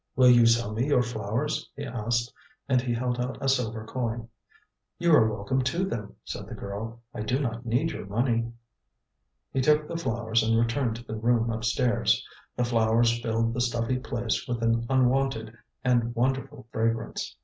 "Will you sell me your flowers?" he asked, and he held out a silver coin. "You are welcome to them," said the girl. "I do not need your money." He took the flowers and returned to the room upstairs. The flowers filled the stuffy place with an unwonted and wonderful fragrance.